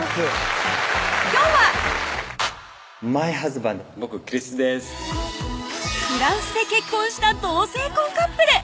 今日はフランスで結婚した同性婚カップル